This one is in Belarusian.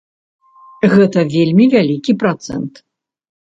Гэта вельмі вялікі працэнт.